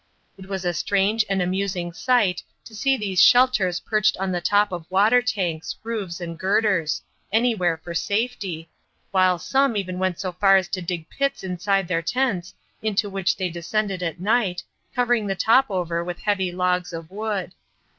It was a strange and amusing sight to see these shelters perched on the top of water tanks, roofs and girders anywhere for safety while some even went so far as to dig pits inside their tents, into which they descended at night, covering the top over with heavy logs of wood.